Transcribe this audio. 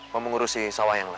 memengurusi sawah yang lain